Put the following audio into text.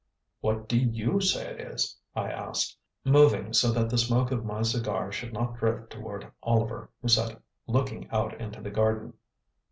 "What do YOU say it is?" I asked, moving so that the smoke of my cigar should not drift toward Oliver, who sat looking out into the garden.